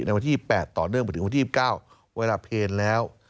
วันที่๘ต่อเนื่องไปถึงวันที่๒๙เวลาเพลแล้ว